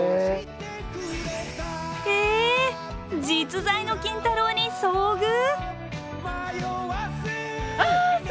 実在の金太郎に遭遇！？